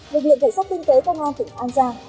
lực lượng cảnh sát kinh tế công an tỉnh an giang